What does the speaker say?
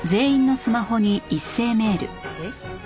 えっ？